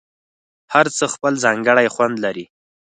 هر څه خپل ځانګړی خوند لري.